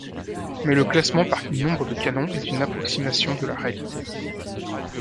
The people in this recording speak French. Mais le classement par nombre de canons est une approximation de la réalité.